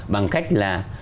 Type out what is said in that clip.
bằng cách là